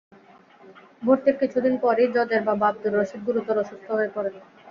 ভর্তির কিছুদিন পরই জজের বাবা আবদুর রশিদ গুরুতর অসুস্থ হয়ে পড়েন।